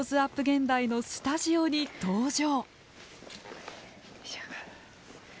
現代のスタジオに登場。